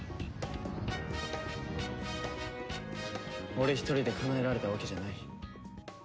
俺一人でかなえられたわけじゃない。